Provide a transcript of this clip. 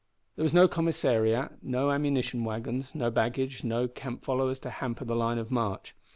There was no commissariat, no ammunition wagons, no baggage, no camp followers to hamper the line of march.